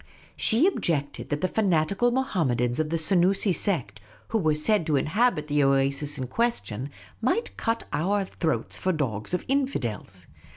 She objected that the fanatical Mohammedans of the Senoosi sect, who were said to inhabit the oasis in question, might cut our throats for dogs of infidels.